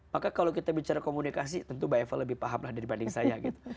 maka kalau kita bicara komunikasi tentu mbak eva lebih paham lah dibanding saya gitu